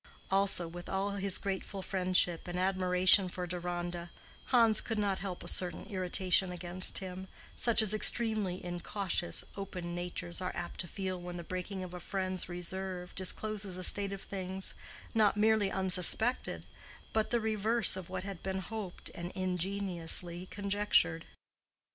Also with all his grateful friendship and admiration for Deronda, Hans could not help a certain irritation against him, such as extremely incautious, open natures are apt to feel when the breaking of a friend's reserve discloses a state of things not merely unsuspected but the reverse of what had been hoped and ingeniously conjectured.